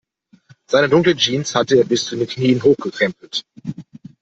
Seine dunkle Jeans hatte er bis zu den Knien hochgekrempelt.